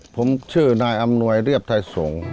ผมชื่อนายอำนวยเรียบไทยสงฆ์